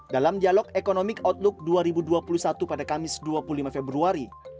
dalam dialog economic outlook dua ribu dua puluh satu pada kamis dua puluh lima februari